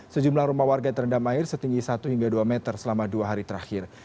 sejumlah rumah warga terendam air setinggi satu hingga dua meter selama dua hari terakhir